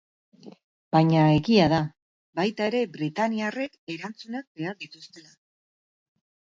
Baina egia da, baita ere, britainiarrek erantzunak behar dituztela.